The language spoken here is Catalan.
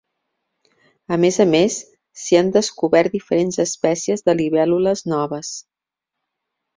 A més a més, s'hi han descobert diferents espècies de libèl·lules noves.